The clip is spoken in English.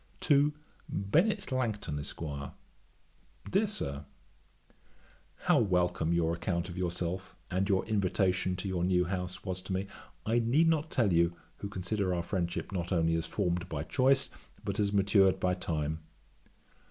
'To BENNET LANGTON, ESQ. 'DEAR SIR, 'How welcome your account of yourself and your invitation to your new house was to me, I need not tell you, who consider our friendship not only as formed by choice, but as matured by time.